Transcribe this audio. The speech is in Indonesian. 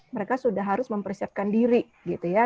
mereka sudah harus mempersiapkan diri gitu ya